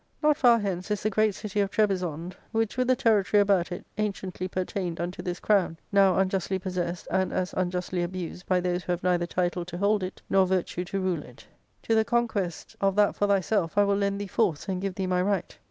Not ARCADIA,— Book IL 2t9 far hence is the great city of Trebisond, which, with the territory about it, anciently pertained unto this crown, now unjustly possessed and as unjustly abused by those who have neither title to hold it nor virtue to rule it To the conquestji of that for thyself I will lend thee force and give thee my right.